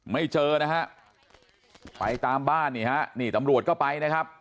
ไม่เจอนะฮะไปตามบ้านนี่ฮะนี่ตำรวจก็ไปนะครับ